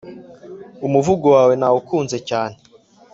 umuvugo wawe nawukunze cyane